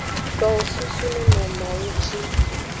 Towo susu neno mawu ji.